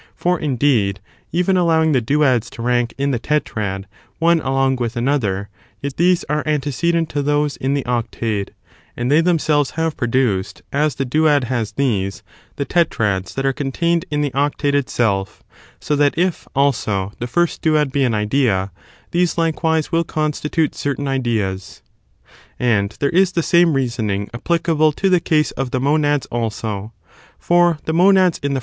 For, indeed, even allowing the duads to rank in the tetrad one along with another, yet these are antecedent to those in the octade: and they themselves have produced — as the duad has these — the tetrads that are contained in the octade itself; so that ii^ also, the first duad be an idea, these likewise will constitute certain ideas. 11. Confirmed ^^^ there is the same reasoning applicable to tvomthecaseof the case of the monads also, for the monads in monads.